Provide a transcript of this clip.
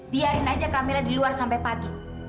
biarin aja kamera di luar sampai pagi